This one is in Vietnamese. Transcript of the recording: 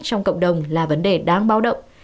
trong cộng đồng là vấn đề đáng bao động